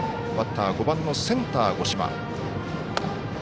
バッター、５番のセンター五島。